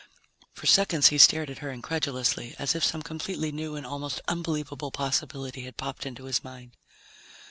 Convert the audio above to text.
For seconds he stared at her incredulously, as if some completely new and almost unbelievable possibility had popped into his mind.